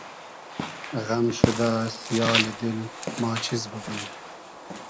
غئم شودۂ سیالی دیل ما چیز بوگیم